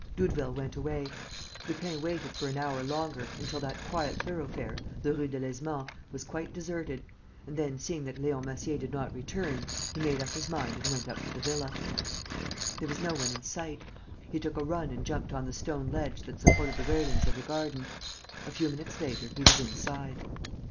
Doudeville went away. Lupin waited for an hour longer, until that quiet thoroughfare, the Rue Delaizement, was quite deserted, and then, seeing that Leon Massier did not return, he made up his mind and went up to the villa. There was no one in sight. ... He took a run and jumped on the stone ledge that supported the railings of the garden. A few minutes later, he was inside.